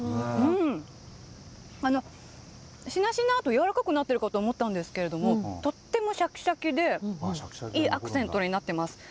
しなしなとやわらかくなっているかと思ったんですけれどとってもしゃきしゃきでいいアクセントになっています。